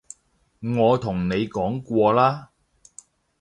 我同你講過啦